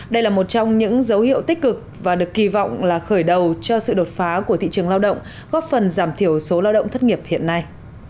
đây là một trong những dấu hiệu tích cực và được kỳ vọng là khởi đầu cho sự đột phá của thị trường lao động góp phần giảm thiểu số lao động thất nghiệp hiện nay